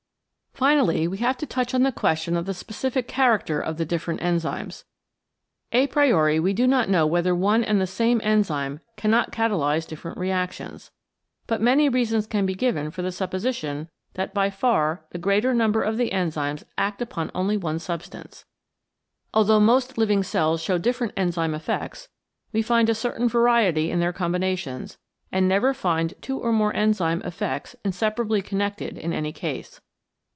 Finally we have to touch on the question of the specific character of the different enzymes. A priori we do not know whether one and the same enzyme cannot catalyse different reactions. But many reasons can be given for the supposition that by far the greater number of the enzymes act upon only one substance. Although most CATALYSIS AND THE ENZYMES living cells show different enzyme effects, we find a certain variety in their combinations, and never find two or more enzyme effects in separably connected in any case.